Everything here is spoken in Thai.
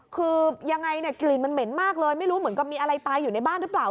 คือยังไงเนี่ยกลิ่นมันเหม็นมากเลยไม่รู้เหมือนกับมีอะไรตายอยู่ในบ้านหรือเปล่า